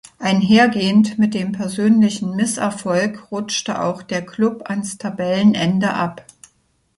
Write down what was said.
Einhergehend mit dem persönlichen Misserfolg rutschte auch der Klub ans Tabellenende ab.